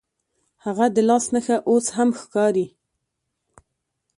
هغه د لاس نښه اوس هم ښکاري.